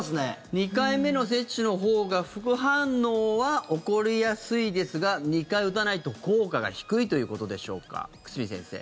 ２回目の接種のほうが副反応は起こりやすいですが２回打たないと効果が低いということでしょうか久住先生。